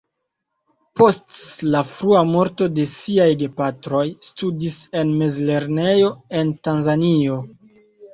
Post la frua morto de siaj gepatroj, studis en mezlernejo en Tanzanio.